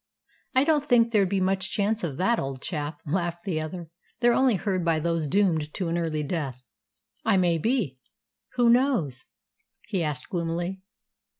"I don't think there'd be much chance of that, old chap," laughed the other. "They're only heard by those doomed to an early death." "I may be. Who knows?" he asked gloomily.